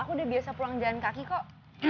aku udah biasa pulang jalan kaki kok